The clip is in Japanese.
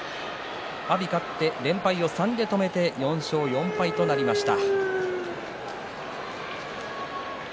阿炎、連敗を３で止めて４勝４敗となりました。